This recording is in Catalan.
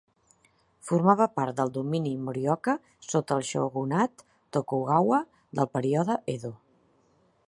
Formava part del domini morioka sota el shogunat Tokugawa del període Edo.